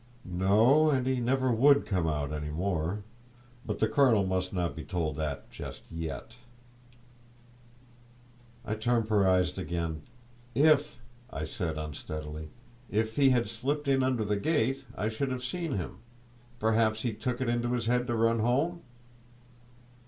No, and he never would come out any more. But the colonel must not be told that just yet. I temporised again: "If," I said, unsteadily—"if he had slipped in under the gate I should have seen him. Perhaps he took it into his head to run home?"